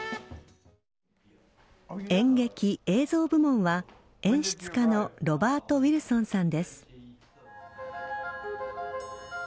演劇・映像部門は演出家のロバート・ウィルソンさんです。